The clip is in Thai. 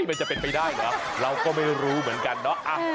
มันจะเป็นไปได้เหรอเราก็ไม่รู้เหมือนกันเนาะ